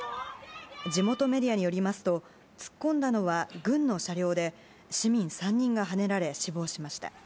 地元メディアによりますと突っ込んだのは軍の車両で市民３人がはねられ死亡しました。